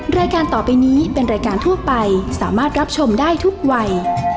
รายการต่อไปนี้เป็นรายการทั่วไปสามารถรับชมได้ทุกวัย